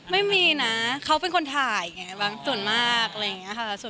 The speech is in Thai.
ไม่มีนะเขาเป็นคนถ่ายบางส่วนมาก๗๐เปอร์เซ็นต์๘๐เปอร์เซ็นต์